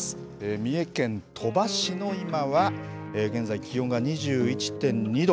三重県鳥羽市の今は、現在気温が２１．２度。